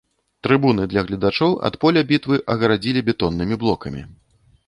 Трыбуны для гледачоў ад поля бітвы агарадзілі бетоннымі блокамі.